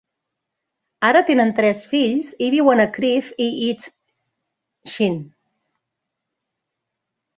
Ara tenen tres fills i viuen a Crieff i East Sheen.